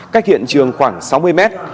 cách hiện trường khoảng sáu mươi mét